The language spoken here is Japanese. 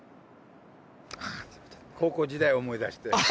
高校時代を思い出して。